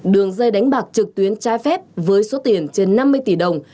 đường dây đánh bạc trực tuyến trái phép với số tiền trên năm mươi tỷ đồng